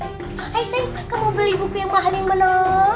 hai say kamu beli buku yang mahal yang mana